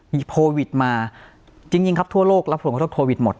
มีโควิดมาจริงครับทั่วโลกรับผลกระทบโควิดหมด